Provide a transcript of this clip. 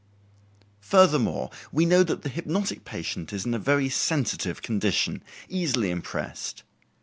Furthermore, we know that the hypnotic patient is in a very sensitive condition, easily impressed.